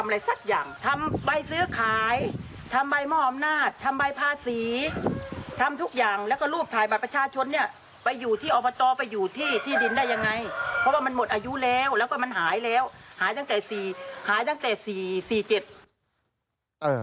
แล้วก็มันหายแล้วหายตั้งแต่๔๗